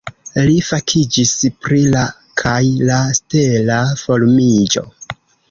Li fakiĝis pri la kaj la stela formiĝo.